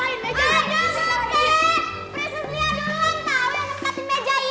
presiden lia duluan tau yang nempetin meja ini